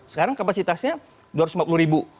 sekarang kapasitasnya dua ratus lima puluh ribu